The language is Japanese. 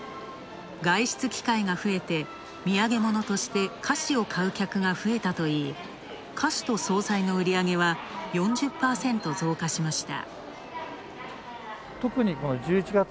外出機会が増えて、土産物として菓子を買う客が増えたといい菓子と惣菜の売り上げは、４０％増加しました。